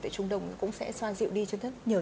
tại trung đông cũng sẽ xoa dịu đi trên rất nhiều